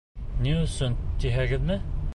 Ни өсөн тиһегеҙме?